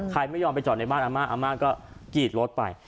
ไม่ยอมไปจอดในบ้านอาม่าอาม่าก็กรีดรถไป